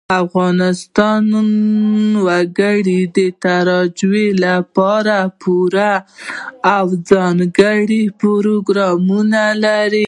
افغانستان د وګړي د ترویج لپاره پوره او ځانګړي پروګرامونه لري.